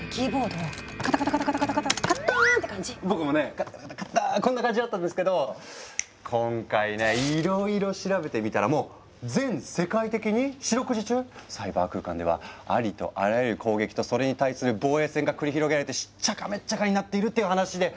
僕もねカタカタカタカッターンこんな感じだったんですけど今回ねいろいろ調べてみたらもう全世界的に四六時中サイバー空間ではありとあらゆる攻撃とそれに対する防衛戦が繰り広げられてしっちゃかめっちゃかになっているっていう話で。